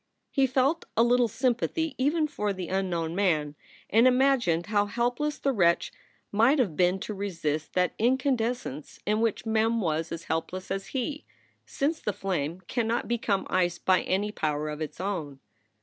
He felt a little sympathy even for the unknown man, and imagined how helpless the wretch might have been to resist i8 SOULS FOR SALE that incandescence in which Mem was as helpless as he, since the flame cannot become ice by any power of its own.